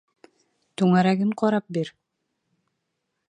Түңәрәген ҡарап бир.